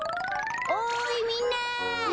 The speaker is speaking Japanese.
おいみんな！